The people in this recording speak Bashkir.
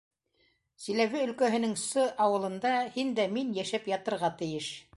Силәбе өлкәһенең С. ауылында һин дә мин йәшәп ятырға тейеш.